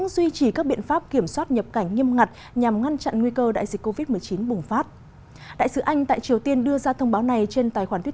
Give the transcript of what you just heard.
xin chào và hẹn gặp lại